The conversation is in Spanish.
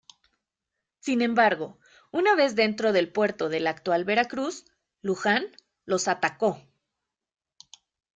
Sin embargo, una vez dentro del puerto de la actual Veracruz, Luján los atacó.